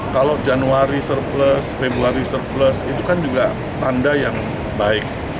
kalau januari surplus februari surplus itu kan juga tanda yang baik